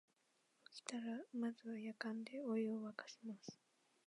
起きたらまずはやかんでお湯をわかします